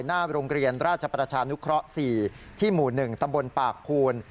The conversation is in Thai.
หน้าโรงเรียนราชประชานุเคราะห์๔ที่หมู่๑ตำบลปากภูน